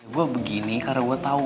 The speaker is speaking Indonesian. gue begini karena gue tahu